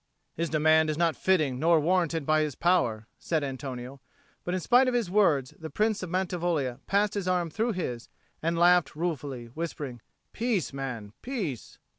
"His demand is not fitting nor warranted by his power," said Antonio; but in spite of his words the Prince of Mantivoglia passed his arm through his, and laughed ruefully, whispering, "Peace, man, peace."